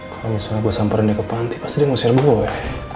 kalau misalnya gue samperin dia ke panti pasti dia nguser gue